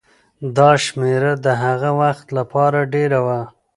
دا شمېره د هغه وخت لپاره ډېره وه.